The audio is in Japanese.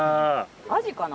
アジかな？